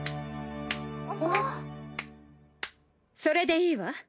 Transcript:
それでいいわ。